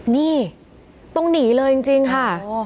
นี่ต้องหนีเลยจริงค่ะ